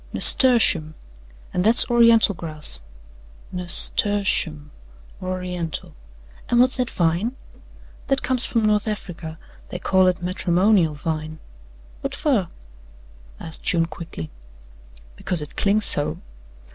"Nasturtium, and that's Oriental grass." "Nas tur tium, Oriental. An' what's that vine?" "That comes from North Africa they call it 'matrimonial vine.'" "Whut fer?" asked June quickly. "Because it clings so."